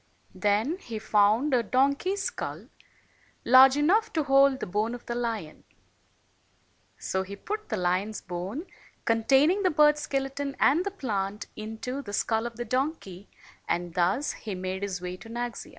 268 Then he found a donkey's skull, large enough to hold the bone of the lion. So he put the lion's bone, containing the bird's skeleton and the plant, into the skull of the donkey, and thus he made his way to Naxia.